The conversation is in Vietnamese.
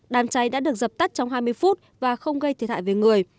đám cháy đã được dập tắt trong hai mươi phút và không gây thiệt hại về người